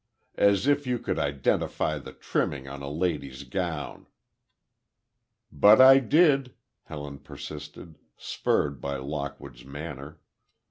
"As if you could identify the trimming on a lady's gown!" "But I did," Helen persisted, spurred by Lockwood's manner.